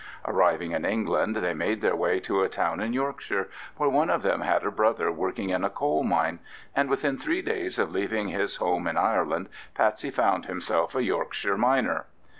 Arriving in England, they made their way to a town in Yorkshire, where one of them had a brother working in a coal mine, and within three days of leaving his home in Ireland Patsey found himself a Yorkshire miner.